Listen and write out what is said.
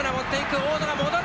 大野が戻る！